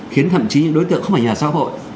khiến thậm chí những đối tượng không ở nhà xã hội